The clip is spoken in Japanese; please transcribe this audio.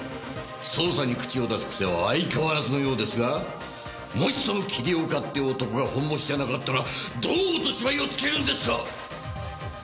捜査に口を出す癖は相変わらずのようですがもしその桐岡って男がホンボシじゃなかったらどう落とし前をつけるんですか！？